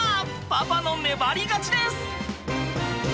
パパの粘り勝ちです！